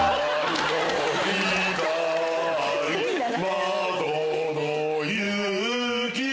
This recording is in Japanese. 窓の雪